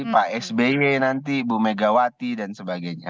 pak sby nanti bu megawati dan sebagainya